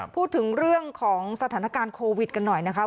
พูดถึงเรื่องของสถานการณ์โควิดกันหน่อยนะคะ